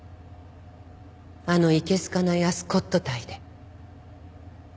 あのいけ好かないアスコットタイで。